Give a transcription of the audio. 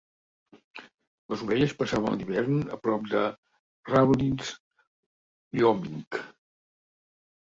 Les ovelles passaven l'hivern a prop de Rawlins, Wyoming.